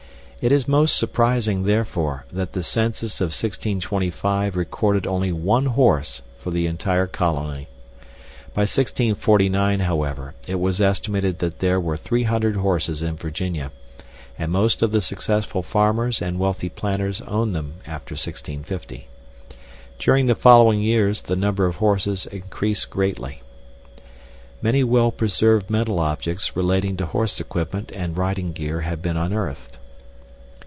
It is most surprising, therefore, that the census of 1625 recorded only 1 horse for the entire colony! By 1649, however, it was estimated that there were 300 horses in Virginia, and most of the successful farmers and wealthy planters owned them after 1650. During the following years, the number of horses increased greatly. Many well preserved metal objects relating to horse equipment and riding gear have been unearthed.